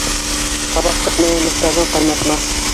Ҡабаҡсыҡ менән мышарҙан ҡайнатма